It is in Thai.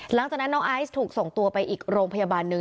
หลังจากนั้นน้องไอซ์ถูกส่งตัวไปอีกโรงพยาบาลหนึ่ง